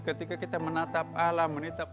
ketika kita menatap alam